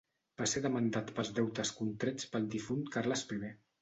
Va ser demandat pels deutes contrets pel difunt Carles Primer.